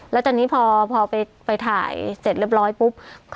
แล้วตอนนี้พอไปถ่ายเสร็จเรียบร้อยปุ๊บ